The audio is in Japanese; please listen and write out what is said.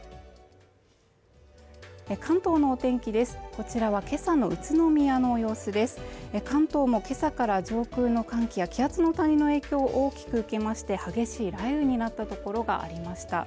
こちらは今朝の宇都宮の様子ですが関東も今朝から上空の寒気や気圧の谷の影響を大きく受けまして激しい雷雨になったところがありました